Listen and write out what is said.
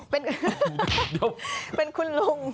เป็นเป็นคุณลุง